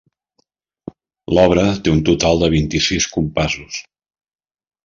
L'obra té un total de vint-i-sis compassos.